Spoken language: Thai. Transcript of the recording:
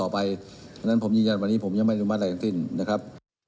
เพราะฉะนั้นผมยินยันว่าผมยังไม่รู้มากลายอย่างสิ้นนะครับ